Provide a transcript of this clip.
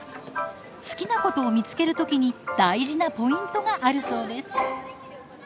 好きなことを見つける時に大事なポイントがあるそうです。